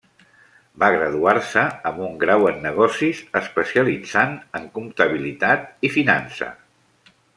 Va graduar-se amb un grau en negocis especialitzant en comptabilitat i finança.